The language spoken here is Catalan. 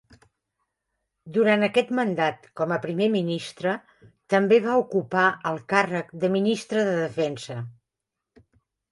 Durant aquest mandat com a primer ministre, també va ocupar el càrrec de ministre de Defensa.